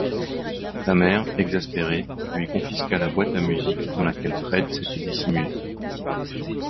Sa mère, exaspérée, lui confisqua la boîte à musique dans laquelle Fred s'était dissimulé.